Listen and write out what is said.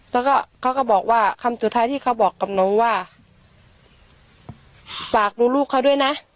แล้วก็เขาก็บอกว่าคำสุดท้ายที่เขาบอกกับหนูว่าฝากดูลูกเขาด้วยนะ